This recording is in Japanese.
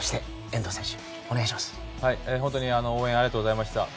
本当に応援ありがとうございました。